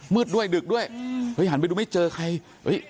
มืดด้วยดึกด้วยเฮ้ยหันไปดูไม่เจอใคร